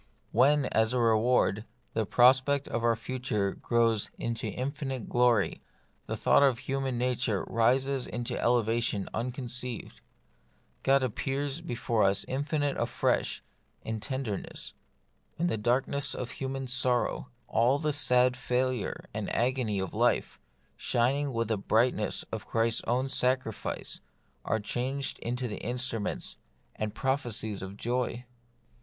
When, as reward, the prospect of our future grows into infinite glory, the thought of human nature rises into an elevation unconceived ; God appears before us infinite afresh in ten derness ; and the darkness of human sorrow, all the sad failure and agony of life, shining with the brightness of Christ's own sacrifice, are changed into the instruments and prophe cies of joy.